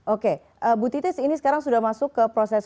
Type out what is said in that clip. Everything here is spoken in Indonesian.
oke bu titis ini sekarang sudah masuk ke proses